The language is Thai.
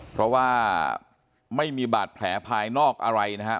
เพราะว่าไม่มีบาดแผลภายนอกอะไรนะฮะ